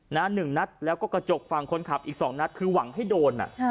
หนึ่งนัดแล้วก็กระจกฝั่งคนขับอีกสองนัดคือหวังให้โดนอ่ะค่ะ